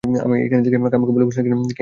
খামকা বলে বসলেন কিনা, বিয়ে করবেন না।